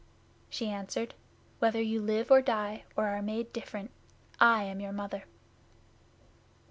She answered, "Whether you live or die, or are made different, I am your Mother."